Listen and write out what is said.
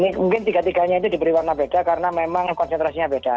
ini mungkin tiga tiganya itu diberi warna beda karena memang konsentrasinya beda